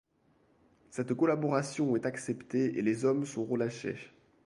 Cette collaboration est acceptée et les hommes sont relâchés.